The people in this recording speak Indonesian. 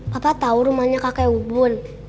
papa tau rumahnya kakek ubun